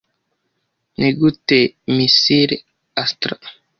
Nigute misile 'Astra'